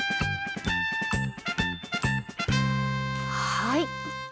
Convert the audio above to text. はい。